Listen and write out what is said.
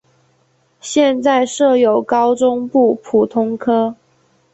现在设有高中部普通科。